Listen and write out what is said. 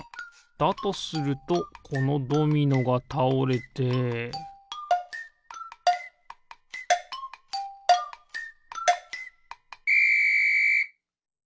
だとするとこのドミノがたおれてピッ！